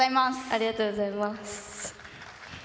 ありがとうございます。